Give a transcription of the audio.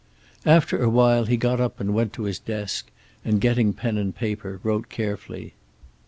After a while he got up and went to his desk, and getting pen and paper wrote carefully.